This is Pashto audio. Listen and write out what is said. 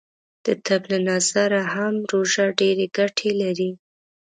د طب له نظره هم روژه ډیرې ګټې لری .